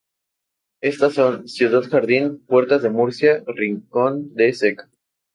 Estas son: Ciudad Jardín, Puertas de Murcia, Rincón de Seca.